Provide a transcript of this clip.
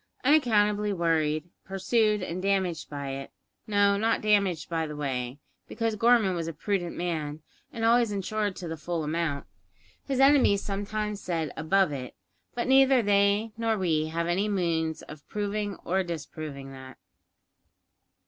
Unaccountably worried, pursued, and damaged by it no, not damaged, by the way; because Gorman was a prudent man, and always insured to the full amount. His enemies sometimes said above it; but neither they nor we have any means of proving or disproving that.